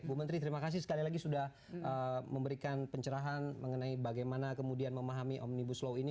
bu menteri terima kasih sekali lagi sudah memberikan pencerahan mengenai bagaimana kemudian memahami omnibus law ini